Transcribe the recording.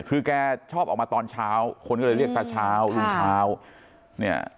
คือแกชอบออกมาตอนเช้าคนก็เลยเรียกตาชาวลุงชาว